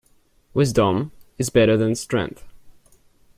Wisdom is better than strength.